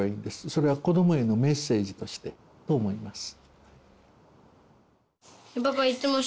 それは子どもへのメッセージとしてと思います。